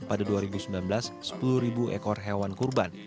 pada dua ribu sembilan belas sepuluh ekor hewan kurban